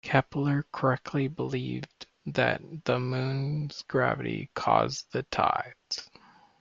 Kepler correctly believed that the Moon's gravity caused the tides.